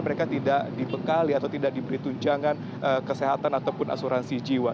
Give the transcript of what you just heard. mereka tidak dibekali atau tidak diberi tunjangan kesehatan ataupun asuransi jiwa